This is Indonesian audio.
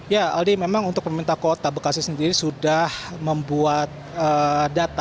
ya aldi memang untuk pemerintah kota bekasi sendiri sudah membuat data